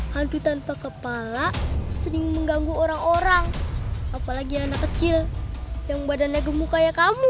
hantu tanpa kepala sering mengganggu orang orang apalagi anak kecil yang badannya gemuk kayak kami